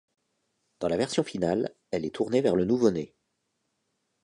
Dans la version finale, elle est tournée vers le nouveau-né.